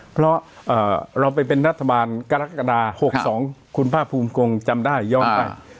เพราะเอ่อเราไปเป็นนัฐบาลกรกฎาหกสองคุณพ่าภูมิกรงจำได้ย้อนไปอ่า